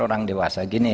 orang dewasa gini